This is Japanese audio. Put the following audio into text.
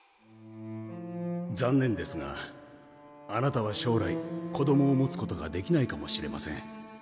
残念ですがあなたは将来子供を持つことができないかもしれません。